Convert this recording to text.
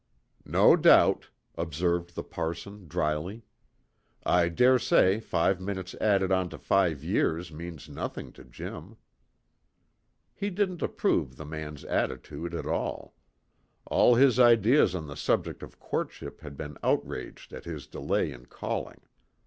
"No doubt," observed the parson dryly. "I dare say five minutes added on to five years means nothing to Jim." He didn't approve the man's attitude at all. All his ideas on the subject of courtship had been outraged at his delay in calling.